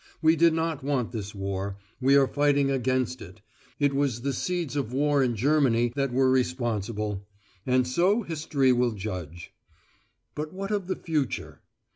We did not want this war: we are fighting against it. It was the seeds of war in Germany that were responsible. And so history will judge. But what of the future?